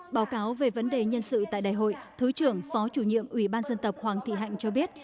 báo cáo về vấn đề nhân sự tại đại hội thứ trưởng phó chủ nhiệm ủy ban dân tộc hoàng thị hạnh cho biết